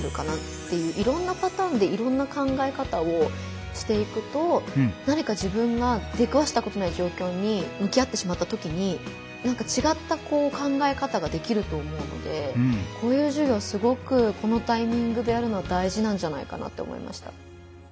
いろんな考え方をしていくと何か自分が出くわしたことのない状況にむき合ってしまったときに何か違った考え方ができると思うのでこういう授業すごくこのタイミングでやるの大事なんじゃないかなって思いました。